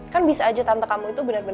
kan bisa aja tante kamu itu bener bener